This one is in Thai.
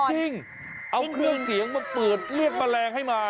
จริงเอาเครื่องเสียงมาเปิดเรียกแมลงให้มา